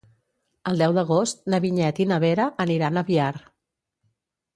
El deu d'agost na Vinyet i na Vera aniran a Biar.